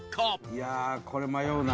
「いやあこれ迷うな」